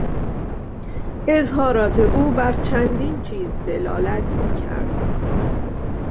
اظهارات او بر چندین چیز دلالت میکرد.